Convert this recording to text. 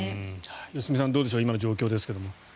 良純さん、どうでしょう今の状況ですけれど。